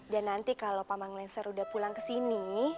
dan nanti kalau paman lengser udah pulang kesini